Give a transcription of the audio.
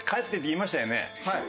はい。